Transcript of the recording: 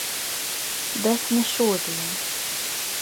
Bet ne šodien...